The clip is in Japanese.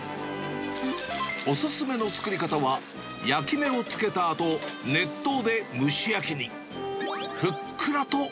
お勧めの作り方は、焼き目をつけたあと、熱湯で蒸し焼きに。